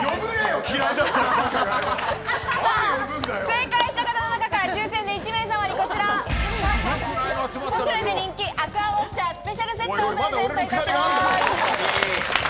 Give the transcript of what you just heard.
正解した方の中から抽選で１名様にこちら、ポシュレで人気、アクアウォッシャースペシャルセットをプレゼントいたします。